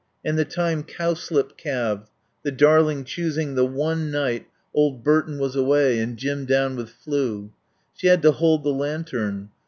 And the time Cowslip calved, the darling choosing the one night old Burton was away and Jim down with flu. She had to hold the lantern.